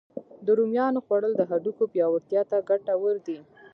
د رومیانو خوړل د هډوکو پیاوړتیا ته ګتور دی